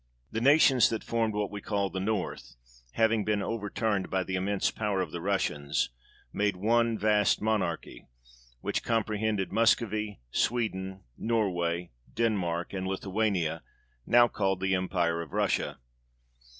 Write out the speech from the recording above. The nations that formed what we call the North having been overturned by the immense power of the Russians, made one vast monarchy, which compre hended Moscovy, Sweden, Norway, Denmark, and Lithuania, now called the empire of Russia.